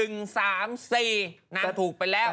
นางถูกไปแล้ว